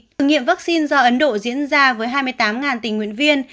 thử nghiệm vaccine do ấn độ diễn ra với hai mươi tám tình nguyện viên